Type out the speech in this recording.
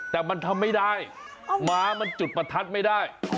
แต่มันทำไม่ได้หมามันจุดประทัดไม่ได้